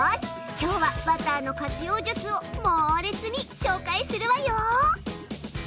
きょうはバターの活用術をモーレツに紹介するわよ。